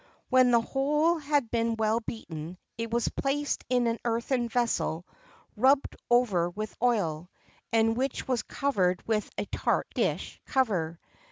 When the whole had been well beaten, it was placed in an earthen vessel rubbed over with oil, and which was covered with a tart dish cover.